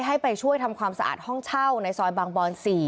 ให้ไปช่วยทำความสะอาดห้องเช่าในซอยบางบอน๔